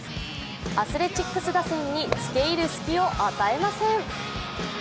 アスレチックス打線につけいる隙を与えません。